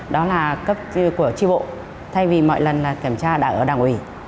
đó là cấp của tri bộ thay vì mọi lần kiểm tra đã ở đảng ủy